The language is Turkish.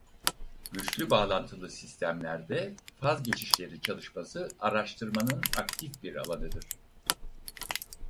Güçlü bağlantılı sistemlerde faz geçişleri çalışması araştırmanın aktif bir alanıdır.